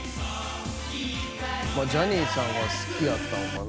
まあジャニーさんが好きやったんかな。